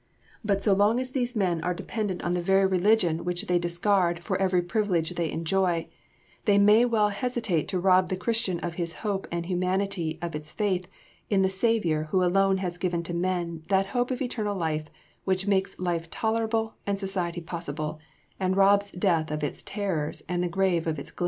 But so long as these men are dependent on the very religion which they discard for every privilege they enjoy, they may well hesitate to rob the Christian of his hope and humanity of its faith in the Saviour who alone has given to men that hope of eternal life which makes life tolerable and society possible, and robs death of its terrors and the grave of its gloom."